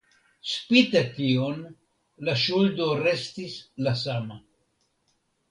Spite tion, la ŝuldo restis la sama.